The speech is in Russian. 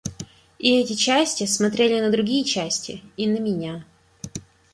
И эти части смотрели на другие части и на меня.